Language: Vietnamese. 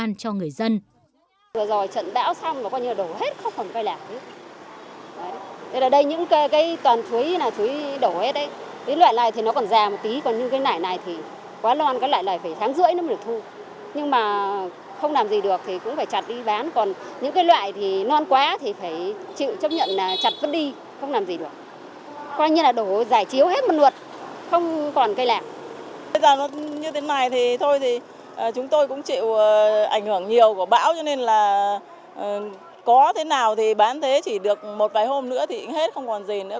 nhiều của bão cho nên là có thế nào thì bán thế chỉ được một vài hôm nữa thì hết không còn gì nữa